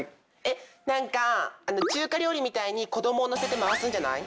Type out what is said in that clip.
何か中華料理みたいに子どもを乗せて回すんじゃない？